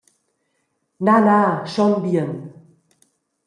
Na, na, schon bien.